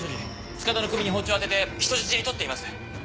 塚田の首に包丁を当てて人質に取っています。